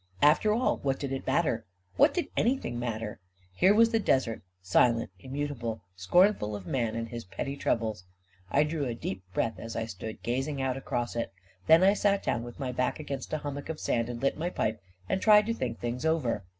After all, what did it matter? What did anything matter? Here was the desert, silent, immutable, scornful of man and his petty troubles. I drew a deep breath, as I stood gazing out across it; then I sat down with my back against a hummock of sand, and lit my pipe, and tried to think things over.